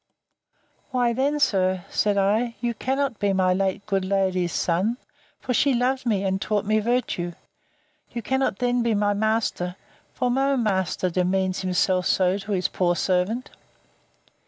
Why, then, sir, said I, you cannot be my late good lady's son; for she loved me, and taught me virtue. You cannot then be my master; for no master demeans himself so to his poor servant.